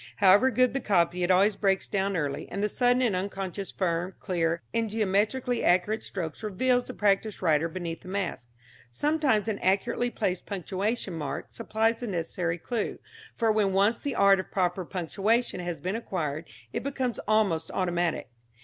However good the copy it always breaks down early, and the sudden and unconscious firm, clear and geometrically accurate stroke reveals the practised writer beneath the mask. Sometimes an accurately placed punctuation mark supplies the necessary clue, for when once the art of proper punctuation has been acquired it becomes almost automatic.